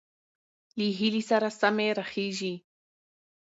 له هيلې سره سمې راخېژي،